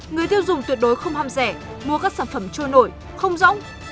người tiêu dùng tuyệt đối không ham rẻ mua các sản phẩm trôi nổi không rõng